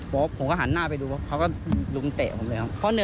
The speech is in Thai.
ผมก็หันหน้าไปดูเขาก็ลุมเตะผมเลยครับ